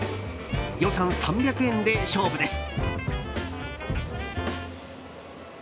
予算３００円で勝負です。